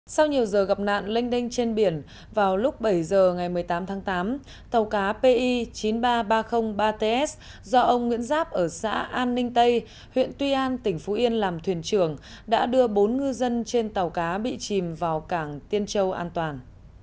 sau nhiều giờ gặp nạn lênh đênh trên biển vào lúc bảy giờ ngày một mươi tám tháng tám tàu cá pi chín mươi ba nghìn ba trăm linh ba ts do ông nguyễn giáp ở xã an ninh tây huyện tuy an tỉnh phú yên làm thuyền trưởng đã đưa bốn ngư dân trên tàu cá bị chìm vào cảng tiên châu an toàn